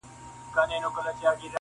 دانه دانه سومه له تاره وځم,